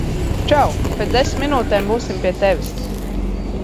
Čau, pēc desmit minūtēm būsim pie tevis.